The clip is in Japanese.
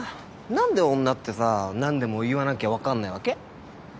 何で女ってさ何でも言わなきゃ分かんないわけ？